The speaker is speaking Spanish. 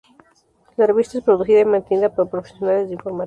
La revista es producida y mantenida por profesionales de informática.